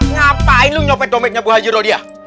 ngapain lo nyopet dompetnya bu haja rodia